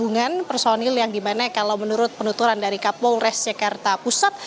dan juga di depan personil yang dimana kalau menurut penuturan dari kapolres jakarta pusat